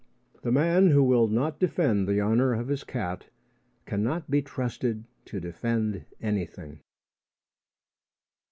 The man who will not defend the honour of his cat cannot be trusted to defend anything.